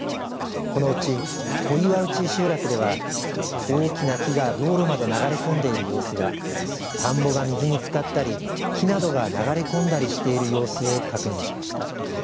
このうち小岩内集落では大きな木が道路まで流れ込んでいる様子や田んぼが水につかったり木などが流れ込んだりしている様子を確認しました。